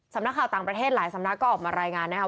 สำนักข่าวต่างประเทศหลายสำนักก็ออกมารายงานนะครับ